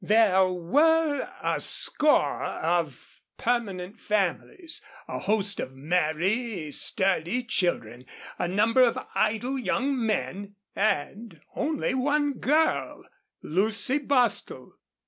There were a score of permanent families, a host of merry, sturdy children, a number of idle young men, and only one girl Lucy Bostil.